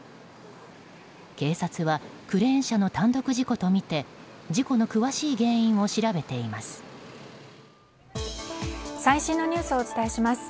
警察はクレーン車の単独事故とみて事故の詳しい原因を調べています。